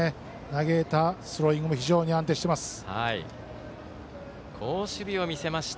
投げたスローイングも非常に安定しています。